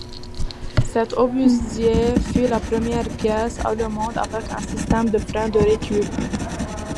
Cet obusier fut la première pièce allemande avec un système de frein de recul.